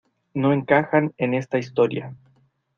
no encajan en esta historia.